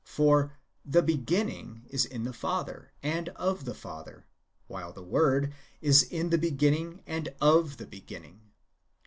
For "the beginning" is in the Father, and of the Father, while " the Word" is in the beo^innino^, and of the bemnnino'.